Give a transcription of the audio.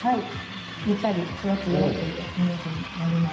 ゆったり育つよっていうイメージになります。